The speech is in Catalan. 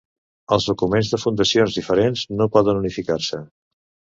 Els documents de fundacions diferents no poden unificar-se.